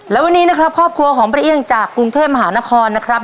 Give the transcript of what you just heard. และวันนี้นะครับครอบครัวของป้าเอี่ยงจากกรุงเทพมหานครนะครับ